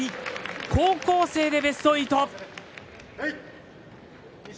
高校生でベスト８。